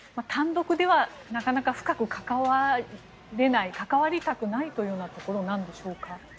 単独ではなかなか深く関われない関わりたくないというところなんでしょうか。